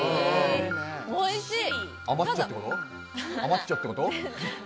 おいしい！